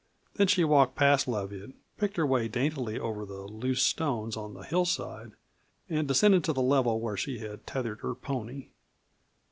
Then she walked past Leviatt, picked her way daintily over the loose stones on the hillside, and descended to the level where she had tethered her pony.